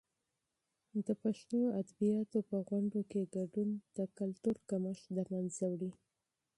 د پښتو ادبیاتو په پروګرامونو کې ګډون، د فرهنګ کمښت د منځه وړي.